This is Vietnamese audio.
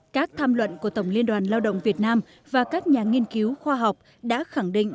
các tham luận của tổng liên đoàn lao động việt nam và các nhà nghiên cứu khoa học đã khẳng định